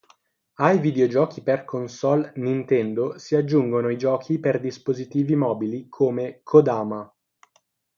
Ai videogiochi per console Nintendo si aggiungono i giochi per dispositivi mobili come "Kodama".